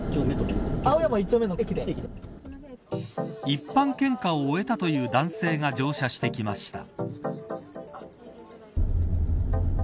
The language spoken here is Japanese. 一般献花を終えたという男性が乗車してきました。